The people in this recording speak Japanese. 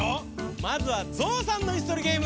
まずはゾウさんのいすとりゲーム。